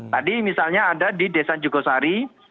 tadi misalnya ada di desa jugosari